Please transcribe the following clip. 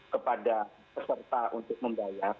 kepada peserta untuk membayar